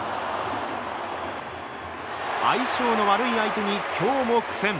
相性の悪い相手に今日も苦戦。